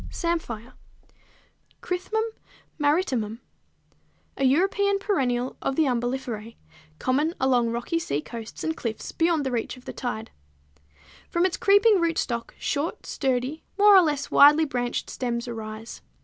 =Samphire= (Crithmum maritimum, Linn.), a European perennial of the Umbelliferæ, common along rocky sea coasts and cliffs beyond the reach of the tide. From its creeping rootstocks short, sturdy, more or less widely branched stems arise.